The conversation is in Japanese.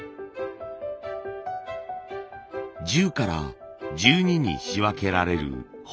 １０から１２に仕分けられる穂。